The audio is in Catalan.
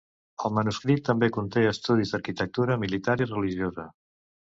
El manuscrit també conté estudis d'arquitectura militar i religiosa.